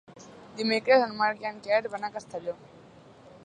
Dimecres en Marc i en Quer van a Castelló.